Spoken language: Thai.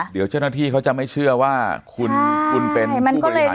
เดี๋ยวเจ้าหน้าที่เขาจะไม่เชื่อว่าคุณคุณเป็นผู้บริษัทของบริษัทใช่